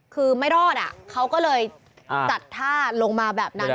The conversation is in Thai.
คือไม่รอดเขาก็เลยจัดท่าลงมาแบบนั้น